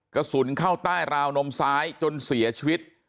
กระสุนเข้าใต้ราวนมซ้ายจนเสียชีวิต